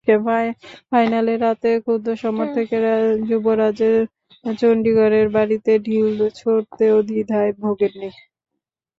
ফাইনালের রাতে ক্ষুব্ধ সমর্থকেরা যুবরাজের চণ্ডীগড়ের বাড়িতে ঢিল ছুড়তেও দ্বিধায় ভোগেননি।